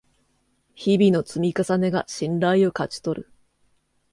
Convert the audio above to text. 日々の積み重ねが信頼を勝ち取る